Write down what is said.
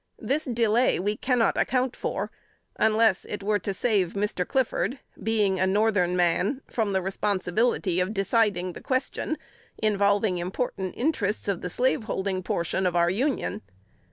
This delay we cannot account for, unless it were to save Mr. Clifford (being a Northern man) from the responsibility of deciding this question, involving important interests of the slaveholding portion of our Union.